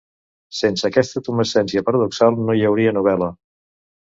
Sense aquesta tumescència paradoxal no hi hauria novella.